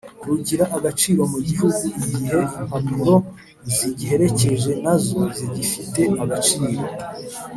rugira agaciro mugihugu igihe impapuro zigiherekeje nazo zigifite agaciro